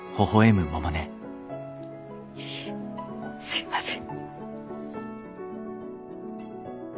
すいません。